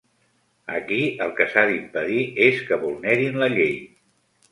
Aquí el que s’ha d’impedir és que vulnerin la llei.